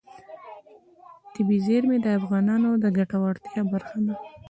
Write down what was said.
طبیعي زیرمې د افغانانو د ګټورتیا برخه ده.